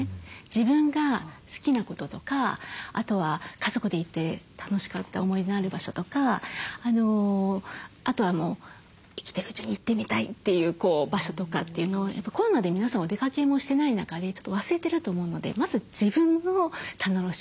自分が好きなこととかあとは家族で行って楽しかった思い出のある場所とかあとはもう生きてるうちに行ってみたいという場所とかっていうのをやっぱコロナで皆さんお出かけもしてない中でちょっと忘れてると思うのでまず自分の棚卸しをする。